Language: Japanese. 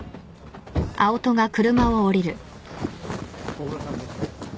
・ご苦労さんです。